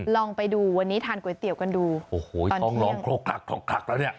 ลองไปดูวันนี้ทานก๋วยเตี๋ยวกันดูโอ้โหต้องลองแล้วเนี่ย